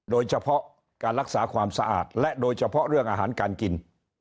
โดยเฉพาะการรักษาความสะอาดและโดยเฉพาะเรื่องอาหารการกิน